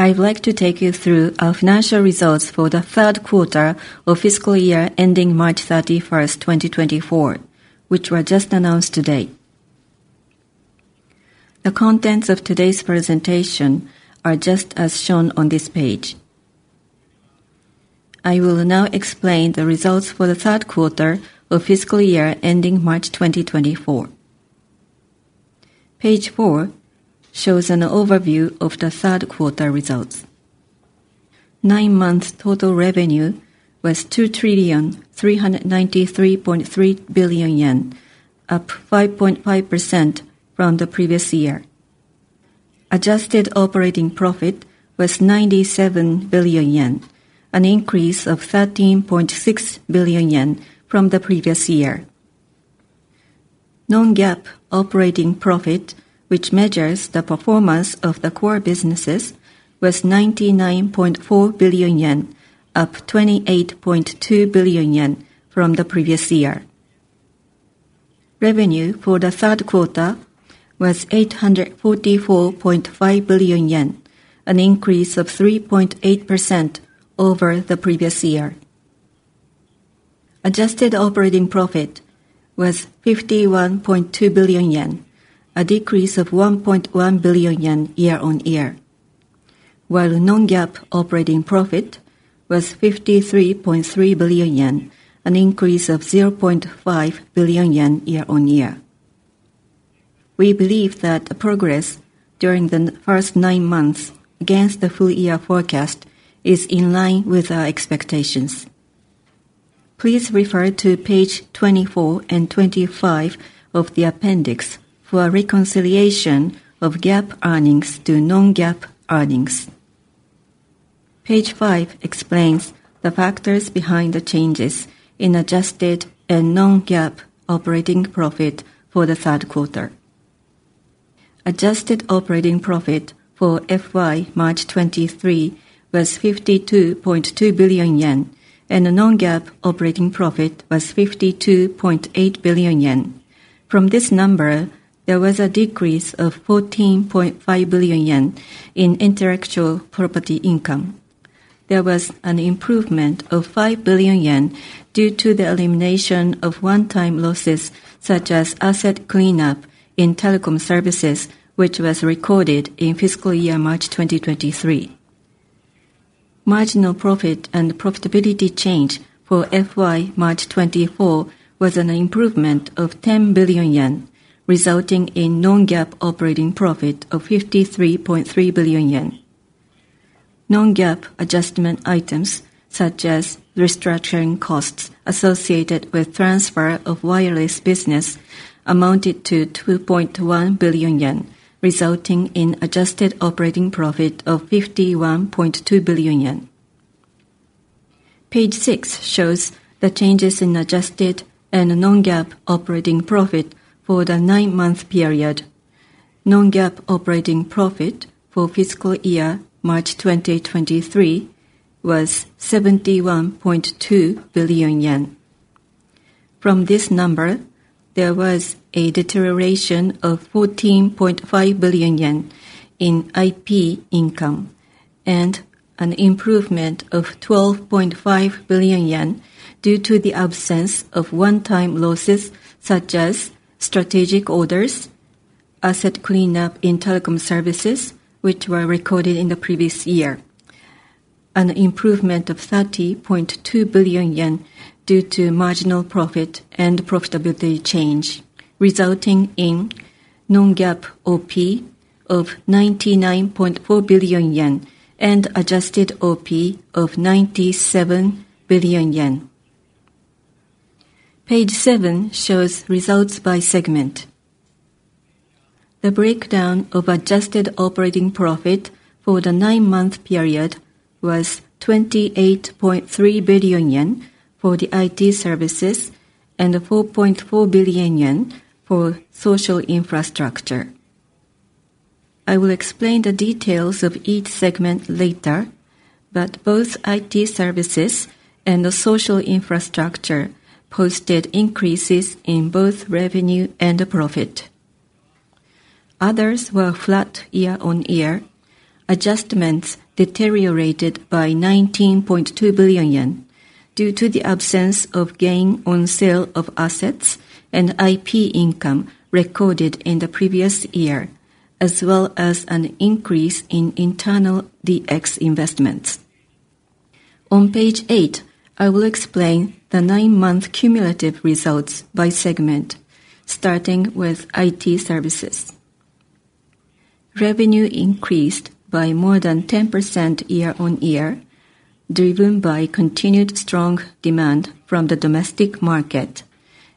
I'd like to take you through our financial results for the third quarter of fiscal year ending March 31, 2024, which were just announced today. The contents of today's presentation are just as shown on this page. I will now explain the results for the third quarter of fiscal year ending March 31, 2024. Page four shows an overview of the third quarter results. Nine-month total revenue was 2,393.3 billion yen, up 5.5% from the previous year. Adjusted operating profit was 97 billion yen, an increase of 13.6 billion yen from the previous year. Non-GAAP operating profit, which measures the performance of the core businesses, was 99.4 billion yen, up 28.2 billion yen from the previous year. Revenue for the third quarter was 844.5 billion yen, an increase of 3.8% over the previous year. Adjusted operating profit was 51.2 billion yen, a decrease of 1.1 billion yen year-on-year, while non-GAAP operating profit was 53.3 billion yen, an increase of 0.5 billion yen year-on-year. We believe that the progress during the first nine months against the full year forecast is in line with our expectations. Please refer to page 24 and 25 of the appendix for a reconciliation of GAAP earnings to non-GAAP earnings. Page five explains the factors behind the changes in adjusted and non-GAAP operating profit for the third quarter. Adjusted operating profit for FY March 2023 was 52.2 billion yen, and the non-GAAP operating profit was 52.8 billion yen. From this number, there was a decrease of 14.5 billion yen in intellectual property income. There was an improvement of 5 billion yen due to the elimination of one-time losses, such as asset cleanup in telecom services, which was recorded in fiscal year March 2023. Marginal profit and profitability change for FY March 2024 was an improvement of 10 billion yen, resulting in non-GAAP operating profit of 53.3 billion yen. Non-GAAP adjustment items, such as restructuring costs associated with transfer of wireless business, amounted to 2.1 billion yen, resulting in adjusted operating profit of 51.2 billion yen. Page six shows the changes in adjusted and non-GAAP operating profit for the nine-month period. Non-GAAP operating profit for fiscal year March 2023 was 71.2 billion yen. From this number, there was a deterioration of 14.5 billion yen in IP income and an improvement of 12.5 billion yen due to the absence of one-time losses, such as strategic orders, asset cleanup in telecom services, which were recorded in the previous year. An improvement of 30.2 billion yen due to marginal profit and profitability change, resulting in non-GAAP OP of 99.4 billion yen and adjusted OP of 97 billion yen. Page seven shows results by segment. The breakdown of adjusted operating profit for the nine-month period was 28.3 billion yen for the IT services and 4.4 billion yen for social infrastructure. I will explain the details of each segment later, but both IT services and the social infrastructure posted increases in both revenue and the profit. Others were flat year-on-year. Adjustments deteriorated by 19.2 billion yen due to the absence of gain on sale of assets and IP income recorded in the previous year, as well as an increase in internal DX investments. On page eight, I will explain the nine-month cumulative results by segment, starting with IT services. Revenue increased by more than 10% year-on-year, driven by continued strong demand from the domestic market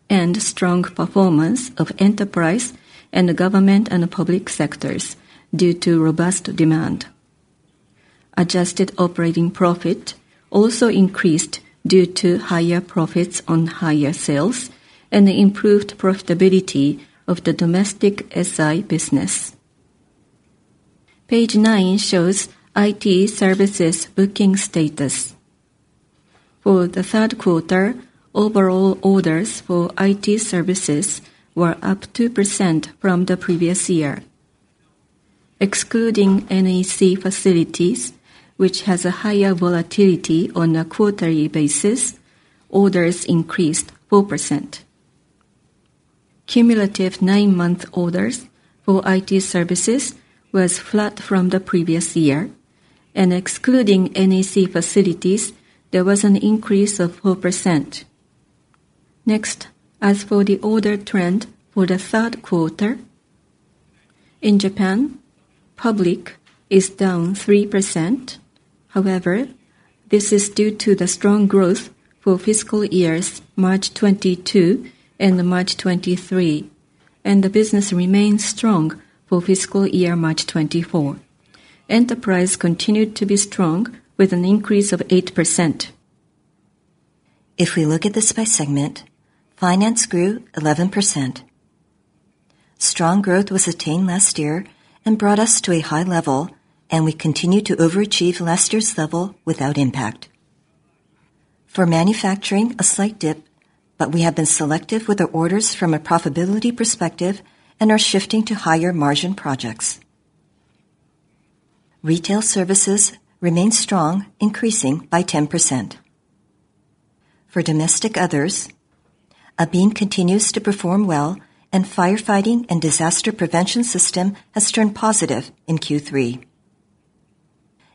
and strong performance of enterprise and the government and public sectors due to robust demand. Adjusted operating profit also increased due to higher profits on higher sales and improved profitability of the domestic SI business. Page nine shows IT services booking status. For the third quarter, overall orders for IT services were up 2% from the previous year. Excluding NEC Facilities, which has a higher volatility on a quarterly basis, orders increased 4%. Cumulative nine-month orders for IT services was flat from the previous year, and excluding NEC Facilities, there was an increase of 4%. Next, as for the order trend for the third quarter, in Japan, public is down 3%. However, this is due to the strong growth for fiscal years March 2022 and March 2023, and the business remains strong for fiscal year March 2024. Enterprise continued to be strong, with an increase of 8%. If we look at this by segment, finance grew 11%. Strong growth was attained last year and brought us to a high level, and we continued to overachieve last year's level without impact. For manufacturing, a slight dip, but we have been selective with our orders from a profitability perspective and are shifting to higher margin projects. Retail services remain strong, increasing by 10%. For domestic others, ABeam continues to perform well, and firefighting and disaster prevention system has turned positive in Q3.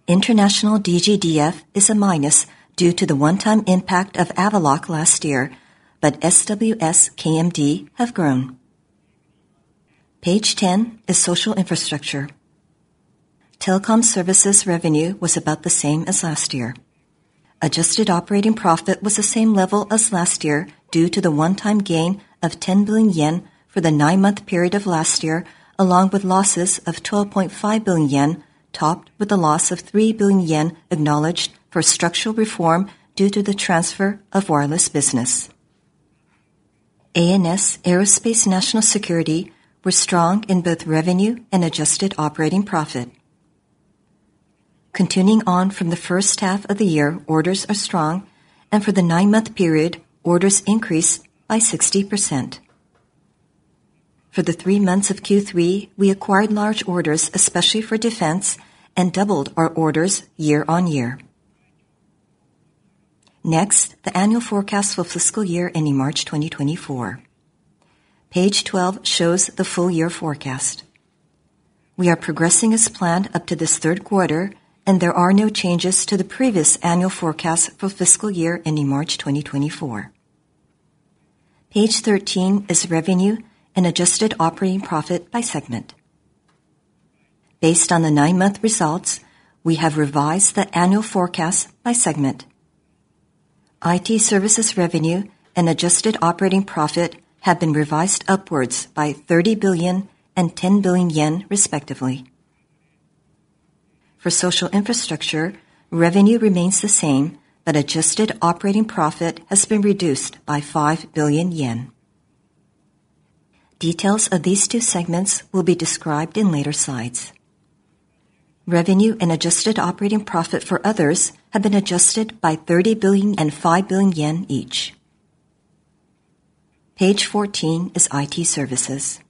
International DGDF is a minus due to the one-time impact of Avaloq last year, but SWS, KMD have grown. Page 10 is social infrastructure. Telecom services revenue was about the same as last year. Adjusted operating profit was the same level as last year, due to the one-time gain of 10 billion yen for the nine-month period of last year, along with losses of 12.5 billion yen, topped with a loss of 3 billion yen acknowledged for structural reform due to the transfer of Wireless business. ANS, Aerospace and National Security, were strong in both revenue and adjusted operating profit. Continuing on from the first half of the year, orders are strong, and for the nine-month period, orders increased by 60%. For the three months of Q3, we acquired large orders, especially for defense, and doubled our orders year on year. Next, the annual forecast for fiscal year ending March 2024. Page 12 shows the full year forecast. We are progressing as planned up to this third quarter, and there are no changes to the previous annual forecast for fiscal year ending March 2024. Page 13 is revenue and adjusted operating profit by segment. Based on the nine-month results, we have revised the annual forecast by segment. IT services revenue and adjusted operating profit have been revised upwards by 30 billion and 10 billion yen, respectively. For social infrastructure, revenue remains the same, but adjusted operating profit has been reduced by 5 billion yen. Details of these two segments will be described in later slides. Revenue and adjusted operating profit for others have been adjusted by 30 billion and 5 billion yen each. Page 14 is IT services.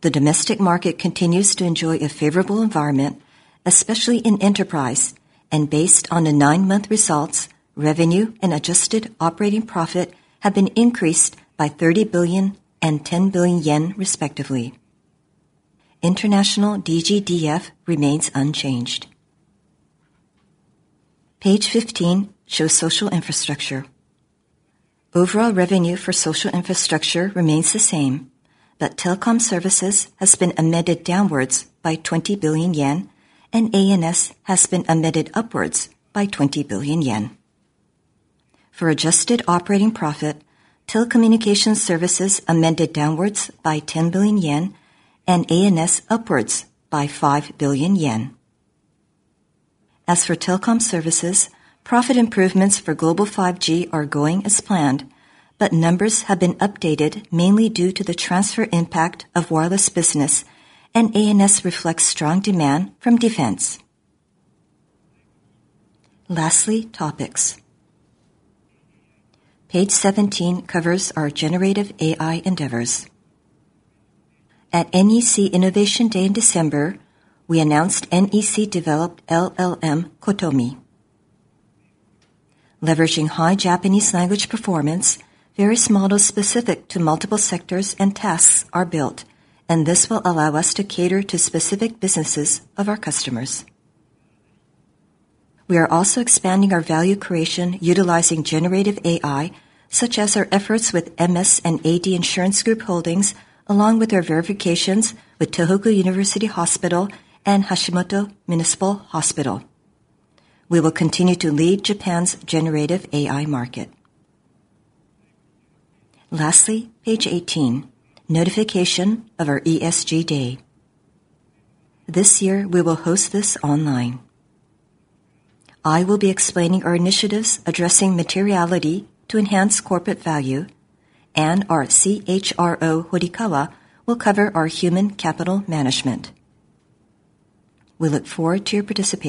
The domestic market continues to enjoy a favorable environment, especially in enterprise, and based on the nine-month results, revenue and adjusted operating profit have been increased by 30 billion and 10 billion yen, respectively. International DGDF remains unchanged. Page 15 shows social infrastructure. Overall revenue for social infrastructure remains the same, but telecom services has been amended downwards by 20 billion yen, and ANS has been amended upwards by 20 billion yen. For adjusted operating profit, telecommunication services amended downwards by 10 billion yen and ANS upwards by 5 billion yen. As for telecom services, profit improvements for global 5G are going as planned, but numbers have been updated mainly due to the transfer impact of wireless business, and ANS reflects strong demand from defense. Lastly, topics. Page 17 covers our generative AI endeavors. At NEC Innovation Day in December, we announced NEC-developed LLM cotomi. Leveraging high Japanese language performance, various models specific to multiple sectors and tasks are built, and this will allow us to cater to specific businesses of our customers. We are also expanding our value creation utilizing generative AI, such as our efforts with MS&AD Insurance Group Holdings, along with our verifications with Tohoku University Hospital and Hashimoto Municipal Hospital. We will continue to lead Japan's generative AI market. Lastly, page 18, notification of our ESG Day. This year, we will host this online. I will be explaining our initiatives addressing materiality to enhance corporate value, and our CHRO, Horikawa, will cover our human capital management. We look forward to your participation.